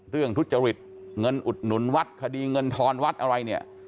ทุจริตเงินอุดหนุนวัดคดีเงินทอนวัดอะไรเนี่ย